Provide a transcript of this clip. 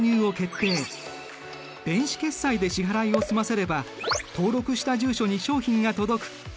電子決済で支払いを済ませれば登録した住所に商品が届く。